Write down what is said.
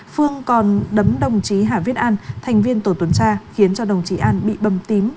phương còn đấm đồng chí hà viết an thành viên tổ tuần tra khiến cho đồng chí an bị bầm tím